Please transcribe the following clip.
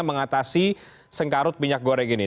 mengatasi sengkarut minyak goreng ini